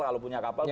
kalau punya kapal